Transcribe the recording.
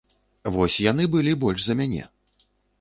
Вось яны былі больш за мяне.